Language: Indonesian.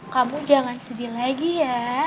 kamu jangan sedih lagi ya